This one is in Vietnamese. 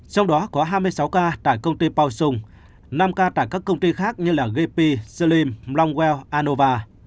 trong đó có hai mươi sáu ca tại công ty pao sùng năm ca tại các công ty khác như gp slim longwell anova